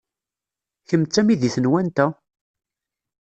Kemm d tamidit n wanta?